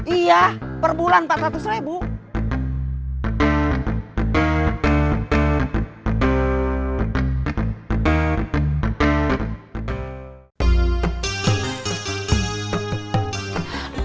iya per bulan empat ratus ribu